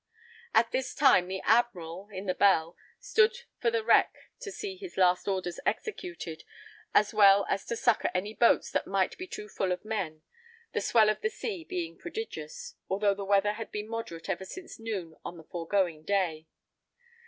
At this time the admiral, in the Belle, stood for the wreck to see his last orders executed, as well as to succour any boats that might be too full of men, the swell of the sea being prodigious, although the weather had been moderate ever since noon of the foregoing day.